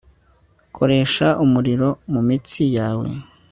koresha umuriro mumitsi yawe